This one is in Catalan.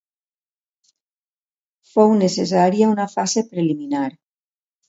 Fou necessària una fase preliminar.